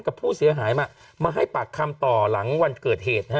กับผู้เสียหายมามาให้ปากคำต่อหลังวันเกิดเหตุนะฮะ